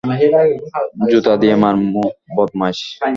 জুতা দিয়ে মারমু, বদমাইশ!